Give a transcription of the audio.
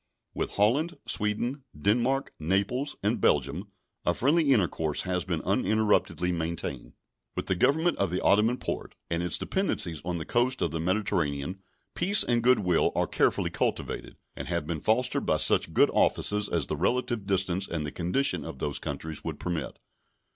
With Holland, Sweden, Denmark, Naples, and Belgium a friendly intercourse has been uninterruptedly maintained. With the Government of the Ottoman Porte and its dependencies on the coast of the Mediterranean peace and good will are carefully cultivated, and have been fostered by such good offices as the relative distance and the condition of those countries would permit.